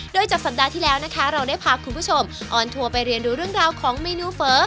โดยจากสัปดาห์ที่แล้วนะคะเราได้พาคุณผู้ชมออนทัวร์ไปเรียนดูเรื่องราวของเมนูเฟ้อ